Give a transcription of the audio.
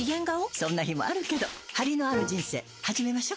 そんな日もあるけどハリのある人生始めましょ。